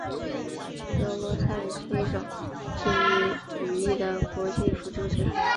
格罗沙语是一种基于语义的国际辅助语。